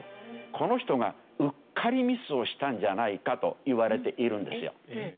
この人がうっかりミスをしたんじゃないかと言われているんですよ。